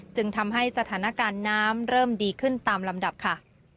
จึงทำให้สถานการณ์น้ำเริ่มดีขึ้นตามลำดับค่ะ